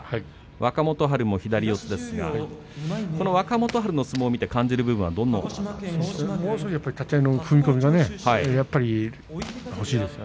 若元春も左四つですが若元春の相撲を見て感じる部分はどんなものがありますか。